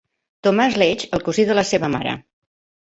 Thomas Leigh, el cosí de la seva mare.